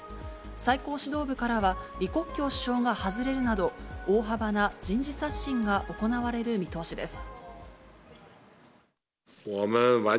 最高指導部からは、李克強首相が外れるなど、大幅な人事刷新が行われる見通しです。